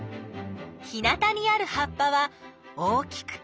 日なたにある葉っぱは大きくて長い。